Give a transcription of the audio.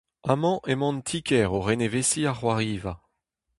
Amañ emañ an ti-kêr o reneveziñ ar c'hoariva.